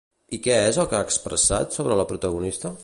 I què és el que ha expressat sobre la protagonista?